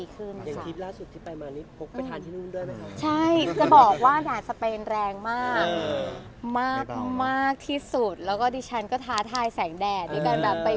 คือกลับมาแล้วก็ไม่ได้ไหม้เกลียบอะไร